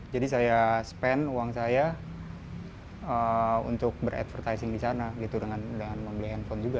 jadi saya spend uang saya untuk beradvertising di sana gitu dengan membeli handphone juga